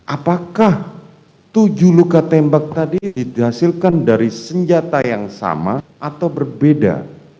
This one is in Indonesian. apakah tujuh luka tembak tadi dihasilkan dari senjata yang sama atau berbeda